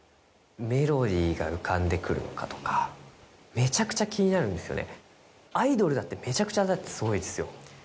めちゃくちゃ気になるんですよね。